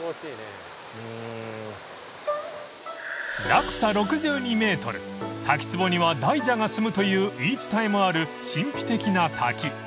［落差６２ｍ滝つぼには大蛇がすむという言い伝えもある神秘的な滝］